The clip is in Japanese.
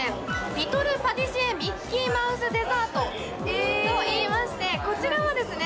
リトルパティシエ・ミッキーマウスデザートといいましてこちらはですね